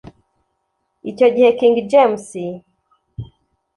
Icyo gihe King James